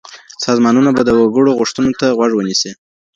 سازمانونه به د وګړو غوښتنو ته غوږ نیسي.